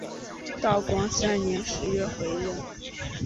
道光三年十月回任。